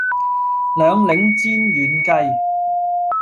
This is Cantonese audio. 兩檸煎軟雞